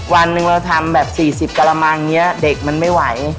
วันหนึ่งเราทำแบบสี่สิบกระลำอย่างเงี้ยเด็กมันไม่ไหว